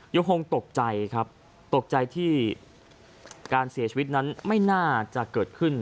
ยังคงตกใจครับตกใจที่การเสียชีวิตนั้นไม่น่าจะเกิดขึ้น